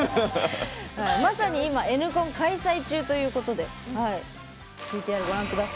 まさに今Ｎコン開催中ということです。